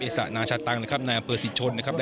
เอศนาชาตังค์นะครับนายอำเภอศรีชนนะครับ